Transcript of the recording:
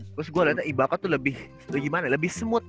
terus gua liat ibaqah tuh lebih gimana lebih smooth